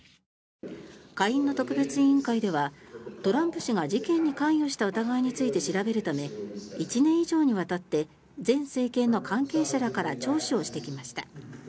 下院の特別委員会ではトランプ氏が事件に関与した疑いについて調べるため１年以上にわたって前政権の関係者らから聴取をしてきました。